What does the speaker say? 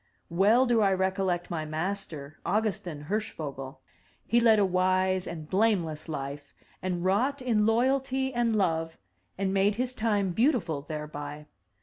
Well do I recollect my master, Augustin Hirsch vogel. He led a wise and blameless Ufe, and wrought in loyalty and love, and made his time beautiful thereby.